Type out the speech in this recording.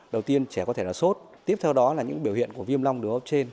đầu tiên trẻ có thể là sốt tiếp theo đó là những biểu hiện của viêm long đường ốc trên